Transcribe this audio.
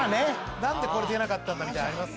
何でこれ出なかったんだみたいなのあります？